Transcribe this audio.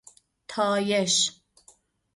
طایش